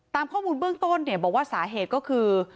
ตามข้อมูลเบื้องต้นเนี่ยบอกว่าสาเหตุก็คือ